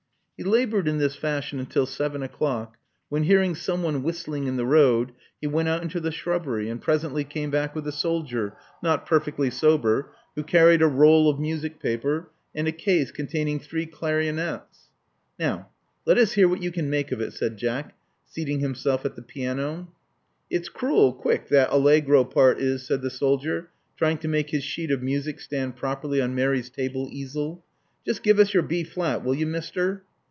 He labored in this fashion until seven o'clock, when, hearing someone whistling in the road, he went out into the shrubbery, and presently came back with a soldier, not perfectly sober, who carried a roll of music paper and a case containing three clarionets. Now let us hear what you can make of it," said Jack, seating himself at the piano. It's cruel quick, that allagrow part is," said the soldier, trying to make his sheet of music stand properly on Mary's table easel. Just give us your B flat, will you. Mister."